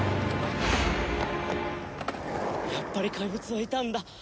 やっぱり怪物はいたんだ！